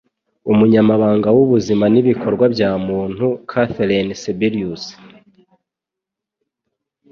Umunyamabanga w’ubuzima n’ibikorwa bya muntu Kathleen Sebelius